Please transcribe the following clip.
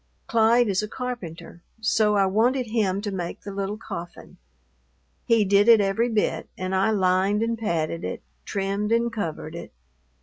Clyde is a carpenter; so I wanted him to make the little coffin. He did it every bit, and I lined and padded it, trimmed and covered it.